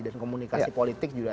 dan komunikasi politik juga